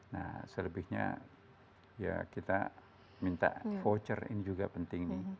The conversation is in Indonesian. nah selebihnya ya kita minta voucher ini juga penting nih